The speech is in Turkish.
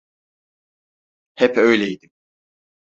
Hep öyleydim.